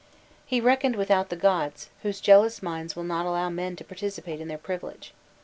'" He reckoned without the gods, whose jealous minds will not allow men to participate in their privileges.